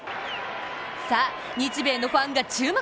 さあ、日米のファンが注目